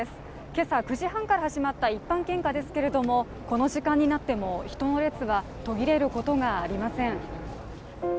今朝９時半から始まった一般献花ですが、この時間になっても、人の列は途切れることがありません。